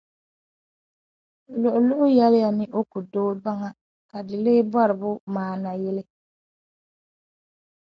Luɣuluɣu yɛli ni o ku dooi baŋa ka di lee bɔri bɔ maana yili?